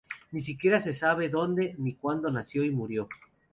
Ni siquiera se sabe dónde ni cuándo nació y murió.